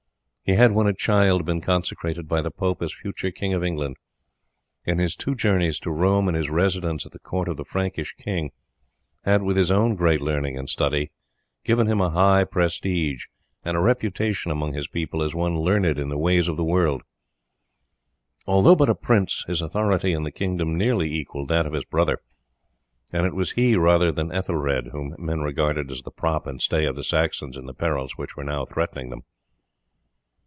He had when a child been consecrated by the pope as future King of England; and his two journeys to Rome, and his residence at the court of the Frankish king had, with his own great learning and study, given him a high prestige and reputation among his people as one learned in the ways of the world. Although but a prince, his authority in the kingdom nearly equalled that of his brother, and it was he rather than Ethelred whom men regarded as the prop and stay of the Saxons in the perils which were now threatening them.